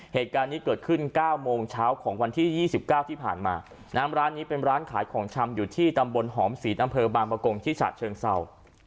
เหตุการณ์นี้เกิดขึ้น๙โมงเช้าของวันที่๒๙ที่ผ่านมาร้านนี้เป็นร้านขายของชำอยู่ที่ตำบลหอมศีลอำเภอบางประกงที่ฉะเชิงเศร้า